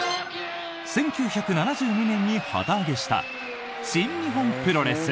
１９７２年に旗揚げした新日本プロレス。